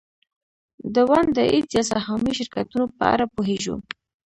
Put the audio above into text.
د ونډه ایز یا سهامي شرکتونو په اړه پوهېږو